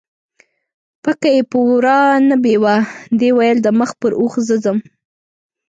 پکه یې په وراه نه بیوه، دې ویل د مخ پر اوښ زه ځم